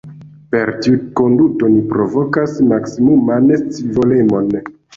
Per tiu konduto, ni provokas maksimuman scivolemon.